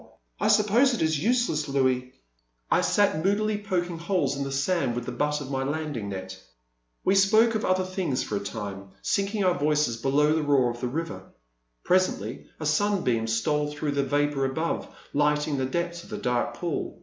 I suppose it is use less, Louis." 1 1 8 The Silent Land. I sat moodily poking holes in the sand with the butt of my landing net. We spoke of other things for a time, sinking our voices below the roar of the river. Presently a sunbeam stole through the vapour above, light ing the depths of the dark pool.